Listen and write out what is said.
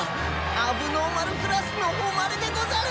問題児クラスの誉れでござる！